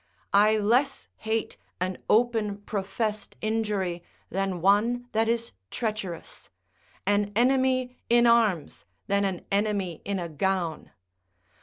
I less hate an open professed injury than one that is treacherous; an enemy in arms, than an enemy in a gown.